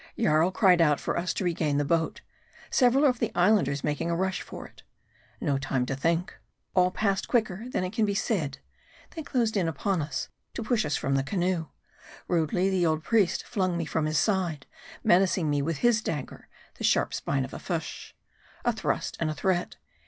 Jarl cried out for us to regain the boat, several of the Islanders making a rush for it. No time to think. All passed quicker than it can be said. They closed in upon us, to push us from the canoe. Rudely the old priest flung me from his side, menacing me with his dagger, the sharp spine of a fish. A thrust and a threat